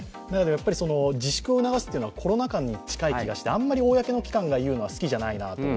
やっぱり自粛を促すというのはコロナ禍に近い感じがしてあまり公の機関が言うのは好きじゃないなと。